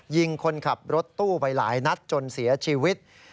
ยิงคนขับรถตู้ไปหลายนัดจนเสียชีวิต